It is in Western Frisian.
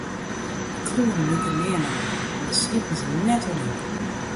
De kleuren liken nearne nei, mar dêr sieten se net oer yn.